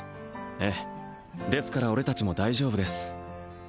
ええですから俺達も大丈夫です